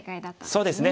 そうですね。